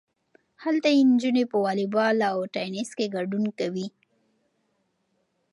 هلته نجونې په والی بال او ټینس کې ګډون کوي.